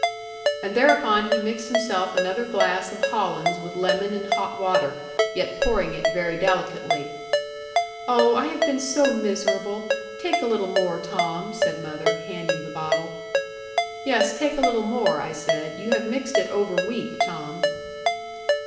And thereupon be mixed himself another glass of hollands with lemon and hot water, yet pouring it very delicately. 'Oh, I have been so miserable take a little more, Tom,' said mother, handing the bottle. 'Yes, take a little more,' I said; 'you have mixed it over weak, Tom.'